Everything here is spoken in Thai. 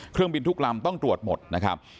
เครื่องบินทุกลำต้องตรวจหมดนะครับ